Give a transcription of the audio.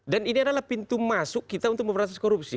dan ini adalah pintu masuk kita untuk memperbatas korupsi